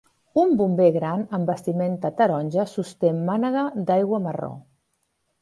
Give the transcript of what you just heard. Un bomber gran amb vestimenta taronja sosté mànega d'aigua marró.